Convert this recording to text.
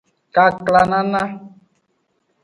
Kaklanana.